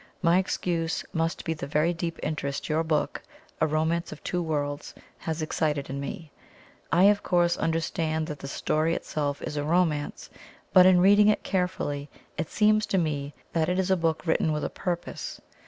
My excuse must be the very deep interest your book, 'A Romance of Two Worlds,' has excited in me. I, of course, understand that the STORY itself is a romance, but in reading it carefully it seems to me that it is a book written with a purpose.